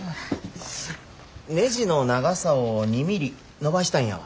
ねじの長さを２ミリ伸ばしたいんやわ。